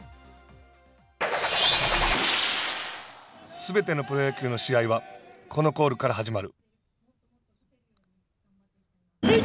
すべてのプロ野球の試合はこのコールから始まる。